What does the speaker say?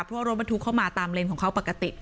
เพราะว่ารถบรรทุกเข้ามาตามเลนของเขาปกติ